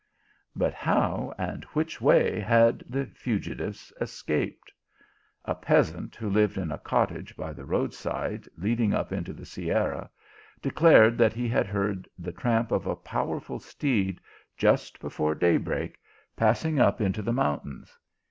But how, and which way had the fugitives escaped ? A peasant who lived in a cottage by the road side leading up into the Sierra, declared that he had heard the tramp of a powerful steed, just before daybreak, passing up into the mountains.